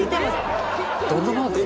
「どんなマーク？」